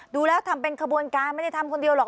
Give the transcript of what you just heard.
ดูแล้วทำเป็นขบวนการไม่ได้ทำคนเดียวหรอก